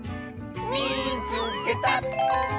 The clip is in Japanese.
「みいつけた！」。